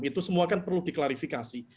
itu semua kan perlu diklarifikasi